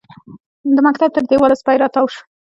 د مکتب تر دېواله سپی راتاو شو.